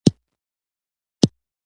دا خپلو غړو ته ورکوي.